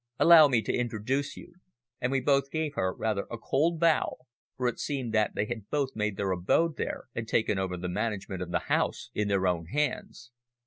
"Allow me to introduce you," and we both gave her rather a cold bow, for it seemed that they had both made their abode there, and taken over the management of the house in their own hands.